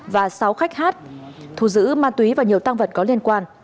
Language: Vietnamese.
và sáu khách hát thù giữ ma túy và nhiều tăng vật có liên quan